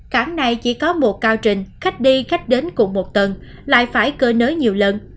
cảng này chỉ có một cao trình khách đi khách đến cùng một tầng lại phải cơ nới nhiều lần